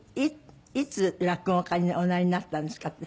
いつ落語家におなりになったんですかね？